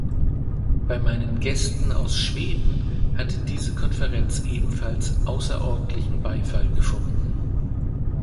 Bei meinen Gästen aus Schweden hat diese Konferenz ebenfalls außerordentlichen Beifall gefunden.